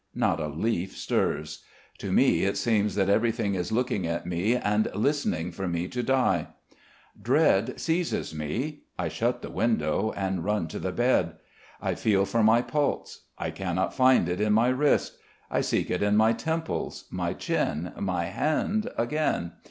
Not a leaf stirs. To me it seems that everything is looking at me and listening for me to die. Dread seizes me. I shut the window and run to the bed, I feel for my pulse. I cannot find it in my wrist; I seek it in my temples, my chin, my hand again.